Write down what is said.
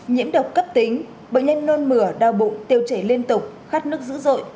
nhiễm độc cấp tính bệnh nhân nôn mửa đau bụng tiêu chảy liên tục khát nước dữ dội